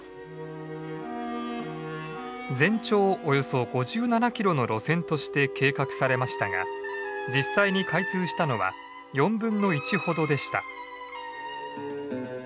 およそ５７キロの路線として計画されましたが実際に開通したのは４分の１ほどでした。